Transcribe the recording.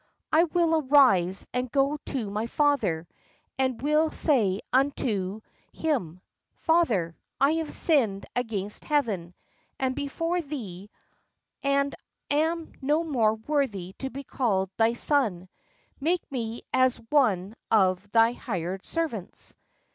I will arise and go to my father, and will say unto will arise and go to my father.'" him, ' Father, I have sinned against Heaven, and before thee, and am no more worthy to be called thy son: make me as one of thy hired servants.'